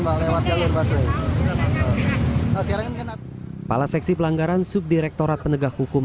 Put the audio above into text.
pak lewat jalur pasir sekarang kena kepala seksi pelanggaran subdirektorat penegak hukum